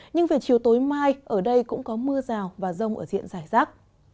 nhưng về chiều tối mai ở đây cũng có mưa rào và rông ở diện giải rác